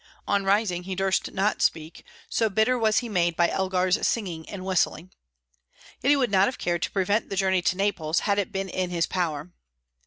On rising, he durst not speak, so bitter was he made by Elgar's singing and whistling. Yet he would not have cared to prevent the journey to Naples, had it been in his power.